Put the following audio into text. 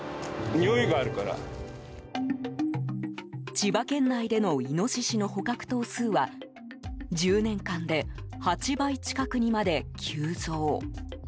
千葉県内でのイノシシの捕獲頭数は１０年間で８倍近くにまで急増。